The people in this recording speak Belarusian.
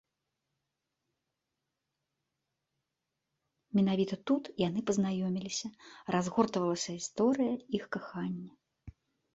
Менавіта тут яны пазнаёміліся, разгортвалася гісторыя іх кахання.